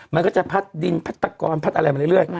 มันก็จะพัดดินพัฒนากรพัดอะไรมาเรื่อย